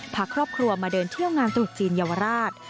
พาครอบครัวมาเดินเที่ยวงานตรุษจีนเยาวราช